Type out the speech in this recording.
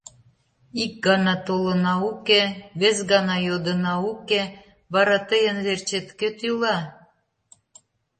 Ик гана толына — уке, вес гана йодына — уке, вара тыйын верчет кӧ тӱла?